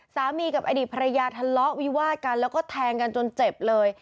สามีกับอดีตภรรยาทะเลาะวิวาดกันแล้วก็แทงกันจนเจ็บเลย